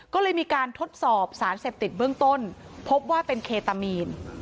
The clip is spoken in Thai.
ก็เลยมีการทดสอบสารเสพติดเบื้องต้นพบว่าเป็นเคตามีน